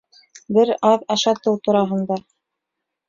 Бер аҙ ашатыу тураһында